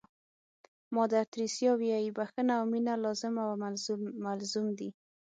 مادر تریسیا وایي بښنه او مینه لازم او ملزوم دي.